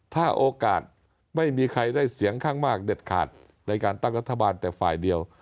ถ้าโอกาสไม่มีใครได้เสียงข้างมากเด็ดขาดในการตั้งรัฐบาลแต่ฝ่ายเดียว